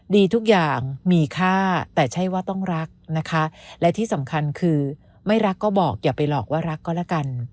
ดีทุกอย่างมีค่าแต่ใช่ว่าต้องรักนะคะและที่สำคัญคือไม่รักก็บอกอย่าไปหลอกว่ารักก็แล้วกัน